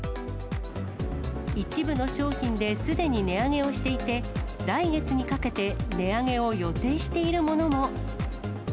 一部の商品ですでに値上げをしていて、来月にかけて、値上げを予定しているものも。